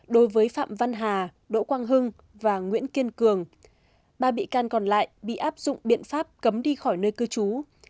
đối với phạm văn hà đỗ quang hưng và nguyễn kiên cường ba bị can còn lại bị áp dụng biện pháp cấm đi khỏi nơi cư trú